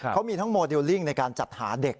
เขามีทั้งโมเดลลิ่งในการจัดหาเด็ก